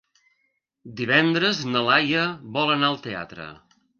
Divendres na Laia vol anar al teatre.